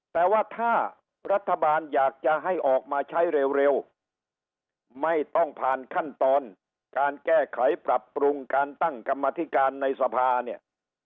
แต่ว่าถ้ารัฐบาลอยากจะให้ออกมาใช้เร็วไม่ต้องผ่านขั้นตอนการแก้ไขปรับปรุงการตั้งกรรมธิการในสภาเนี่ย